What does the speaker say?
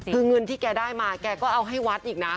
คือเงินที่แกได้มาแกก็เอาให้วัดอีกนะ